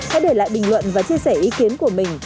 hãy để lại bình luận và chia sẻ ý kiến của mình